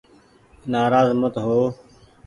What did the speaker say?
نآراز مت هو